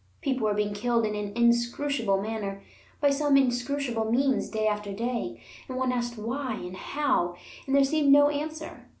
People were being killed in an inscrutable manner by some inscrutable means, day after day, and one asked "why" and "how"; and there seemed no answer.